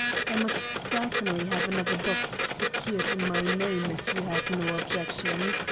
I must certainly have another Box secured in my name if you have no Objection.